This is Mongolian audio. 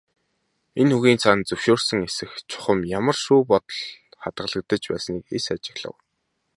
Энэ үгийн цаана зөвшөөрсөн эсэх, чухам ямар шүү бодол хадгалагдаж байсныг эс ажиглав.